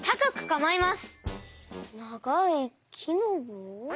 ながいきのぼう？